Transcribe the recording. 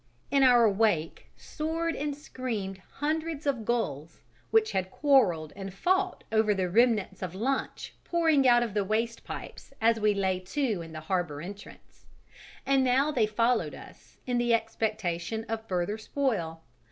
In our wake soared and screamed hundreds of gulls, which had quarrelled and fought over the remnants of lunch pouring out of the waste pipes as we lay to in the harbour entrance; and now they followed us in the expectation of further spoil.